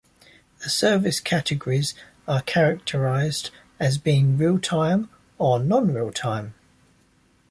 The service categories are characterised as being real-time or non-real-time.